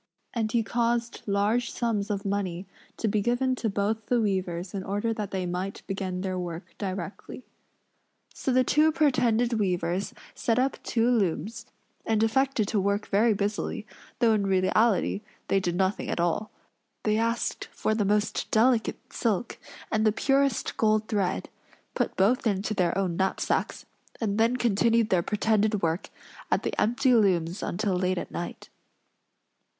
And he caused large sums of money to be given to both the weavers in order that they might begin their work directly. So the two pretended weavers set up two looms, and affected to work very busily, though in reality they did nothing at all. They asked for the most delicate silk and the purest gold thread; put both into their own knapsacks; and then continued their pretended work at the empty looms until late at night.